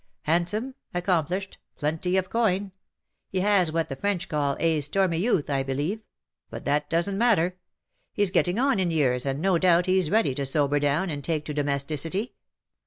Handsome, accomplished, plenty of coin. He has had what the French call a stormy youth, I believe ; but that doesn^t matter. He's getting on in years, and no doubt he's ready to sober clown, and take to domesticity.